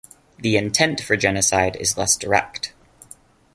The intent for genocide is less direct.